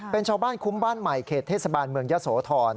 เป็นชาวบ้านคุ้มบ้านใหม่เขตเทศบาลเมืองยะโสธร